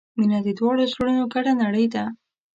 • مینه د دواړو زړونو ګډه نړۍ ده.